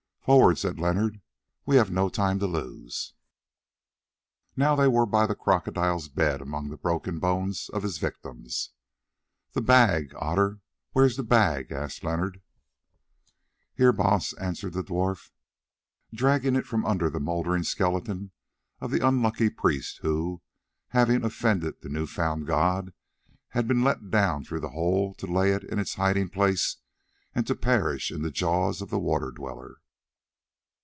"Forward," said Leonard, "we have no time to lose." Now they were by the crocodile's bed and among the broken bones of his victims. "The bag, Otter, where is the bag?" asked Leonard. "Here, Baas," answered the dwarf, dragging it from the mouldering skeleton of the unlucky priest who, having offended the new found god, had been let down through the hole to lay it in its hiding place and to perish in the jaws of the Water Dweller.